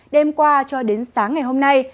đêm qua cho đến sáng ngày hôm nay